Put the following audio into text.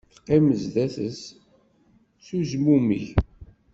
Teqqim sdat-s s uzmumeg